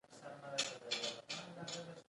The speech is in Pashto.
لومړی هغه مواد دي چې زده کیږي.